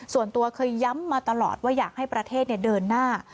ส่วนตัวเคยย้ำมาตลอดว่าอยากให้ประเทศเดินหน้า